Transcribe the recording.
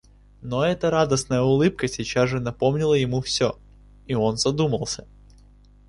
Но эта радостная улыбка сейчас же напомнила ему всё, и он задумался.